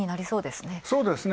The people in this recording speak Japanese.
そうですね。